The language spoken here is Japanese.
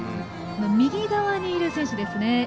右側にいる選手ですね。